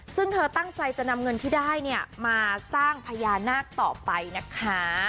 ซึ่งเธอตั้งใจจะนำเงินที่ได้เนี่ยมาสร้างพญานาคต่อไปนะคะ